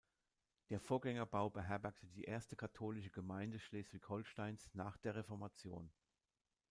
Der Vorgängerbau beherbergte die erste katholische Gemeinde Schleswig-Holsteins nach der Reformation.